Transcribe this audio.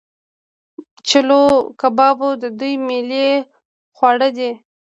چلو کباب د دوی ملي خواړه دي.